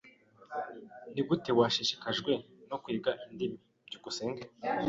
Nigute washishikajwe no kwiga indimi? byukusenge